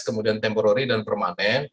kemudian temporori dan permasalahan